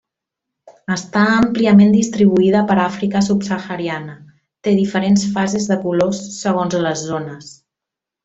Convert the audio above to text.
Està àmpliament distribuïda per Àfrica subsahariana, té diferents fases de colors segons les zones.